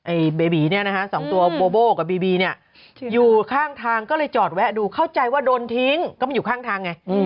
เบบีเนี่ยนะฮะสองตัวโบโบ้กับบีบีเนี่ยอยู่ข้างทางก็เลยจอดแวะดูเข้าใจว่าโดนทิ้งก็ไม่อยู่ข้างทางไง